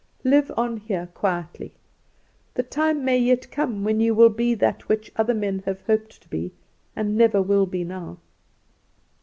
Live on here quietly. The time may yet come when you will be that which other men have hoped to be and never will be now."